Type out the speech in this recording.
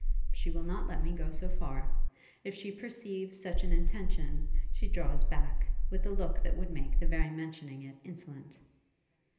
'She will not let me go so far. If she perceive such an intention, she draws back, with a look that would make the very mentioning it insolent.'